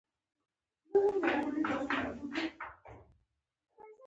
دا تصمیم یې د سیاسي ژوند د آخري ځنکدن علایم دي.